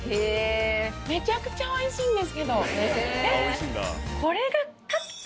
めちゃくちゃおいしいんですけど。